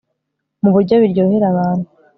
mu buryo biryohera abantu